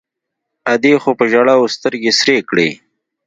ادې خو په ژړاوو سترګې سرې کړې.